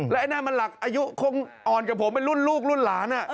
ไอ้นั่นมันหลักอายุคงอ่อนกับผมเป็นรุ่นลูกรุ่นหลาน